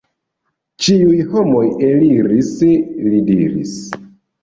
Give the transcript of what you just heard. Ĉiuj homoj eliris, li diris.